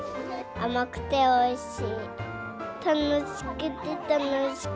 甘くておいしい。